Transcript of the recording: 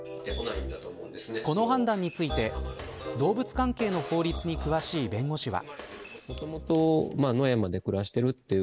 この判断について動物関係の法律に詳しい弁護士は。